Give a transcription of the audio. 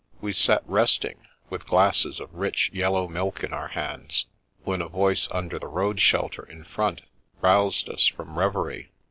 We sat resting, with glasses of rich yellow milk in our hands, when a voice under the road shelter in front roused us from reverie.